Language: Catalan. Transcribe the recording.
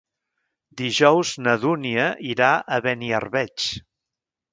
Dijous na Dúnia irà a Beniarbeig.